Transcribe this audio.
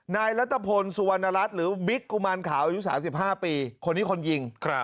นายรัฐพลสุวรรณรัฐหรือบิ๊กกุมารขาวอายุ๓๕ปีคนนี้คนยิง